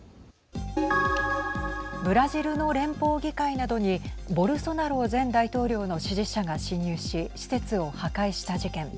ブラジルの連邦議会などにボルソナロ前大統領の支持者が侵入し施設を破壊した事件。